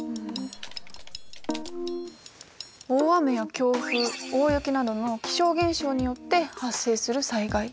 大雨や強風大雪などの気象現象によって発生する災害。